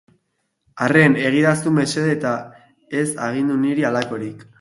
Arren, egidazu mesede eta ez agindu niri halakorik.